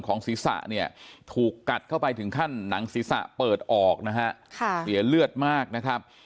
ศีรษะเนี่ยถูกกัดเข้าไปถึงขั้นหนังศีรษะเปิดออกนะฮะเสียเลือดมากนะครับ